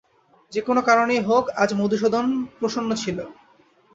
যে-কোনো কারণেই হোক আজ মধুসূদন প্রসন্ন ছিল।